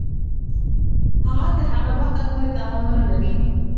هغه تر هغه وخته پوري توان ونه لري.